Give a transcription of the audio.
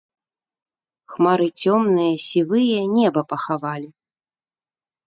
Хмары цёмныя, сівыя неба пахавалі.